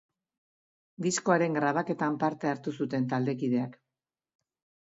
Diskoaren grabaketan parte hartu zuten taldekideak.